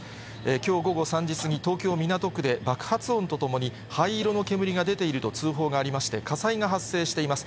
きょう午後３時過ぎ、東京・港区で爆発音とともに、灰色の煙が出ていると通報がありまして、火災が発生しています。